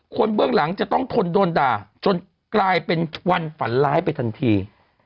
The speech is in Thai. เบื้องหลังจะต้องทนโดนด่าจนกลายเป็นวันฝันร้ายไปทันที